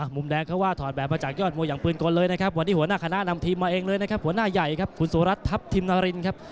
มุมแดงเขาว่าถอดแบบมาจากยอดมวยอย่างปืนกลเลยนะครับวันนี้หัวหน้าคณะนำทีมมาเองเลยนะครับหัวหน้าใหญ่ครับคุณสุรัตนทัพทิมนารินครับ